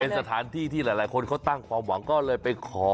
เป็นสถานที่ที่หลายคนเขาตั้งความหวังก็เลยไปขอ